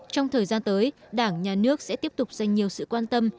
trong thời gian tới đảng nhà nước sẽ tiếp tục dành nhiều sự quan tâm